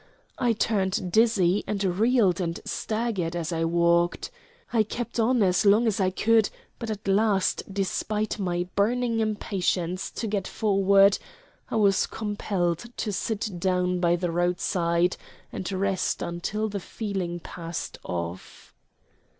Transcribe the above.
I turned dizzy, and reeled and staggered as I walked. I kept on as long as I could, but at last, despite my burning impatience to get forward, I was compelled to sit down by the roadside and rest until the feeling passed off.